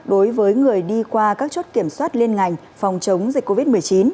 đối với người đi qua các chốt kiểm soát liên ngành phòng chống dịch covid một mươi chín